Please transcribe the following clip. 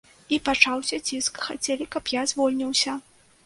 І пачаўся ціск, хацелі, каб я звольніўся.